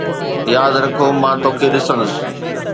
ياد رکو مان توکي ڏسندس